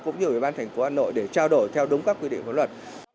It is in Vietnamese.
cũng như ủy ban thành phố hà nội để trao đổi theo đúng các quy định của luật